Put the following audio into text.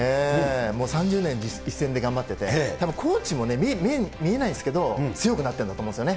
もう３０年、一線で頑張ってて、コーチも見えないんですけど、強くなっているんだと思うんですよね。